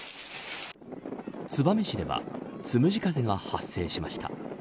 燕市ではつむじ風が発生しました。